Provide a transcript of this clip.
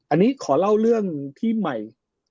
อันนี้ขอเล่าเรื่องที่ใหม่